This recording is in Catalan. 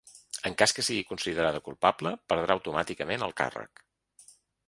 En cas que sigui considerada culpable perdrà automàticament el càrrec.